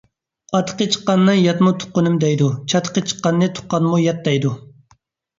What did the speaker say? ئاتىقى چىققاننى ياتمۇ تۇغقىنىم دەيدۇ، چاتىقى چىققاننى تۇغقانمۇ يات دەيدۇ.